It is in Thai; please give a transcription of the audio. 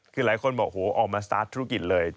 คือหลายคนบอกโหออกมาสตาร์ทธุรกิจเลย